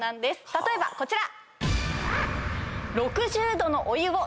例えばこちら！